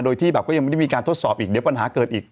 โดยที่แบบก็ยังไม่ได้มีการทดสอบอีกเดี๋ยวปัญหาเกิดอีก